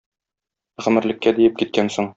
Гомерлеккә диеп киткәнсең.